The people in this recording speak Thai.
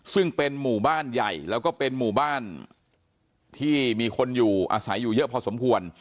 ซึ่งเป็นหมู่บ้านใหญ่แล้วมีคนอาศัยอยู่เยอะพอสมควร